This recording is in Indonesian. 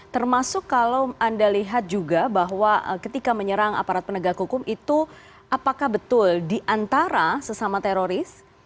termasuk kalau anda lihat juga bahwa ketika menyerang aparat penegak hukum itu apakah betul diantara sesama teroris